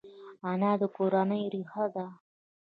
انا د کورنۍ ریښه ده